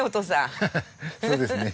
ハハそうですね。